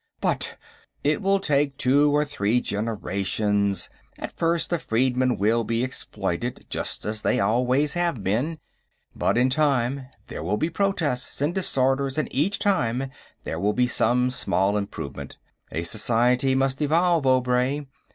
"But...." "It will take two or three generations. At first, the freedmen will be exploited just as they always have been, but in time there will be protests, and disorders, and each time, there will be some small improvement. A society must evolve, Obray.